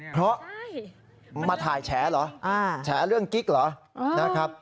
เพราะมาถ่ายแฉเหรอแฉเรื่องกิ๊กเหรอนะครับ